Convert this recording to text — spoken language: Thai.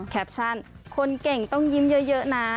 แคปชั่นคนเก่งต้องยิ้มเยอะนะ